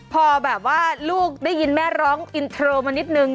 พอแบบว่าลูกได้ยินแม่ร้องอินโทรมานิดนึง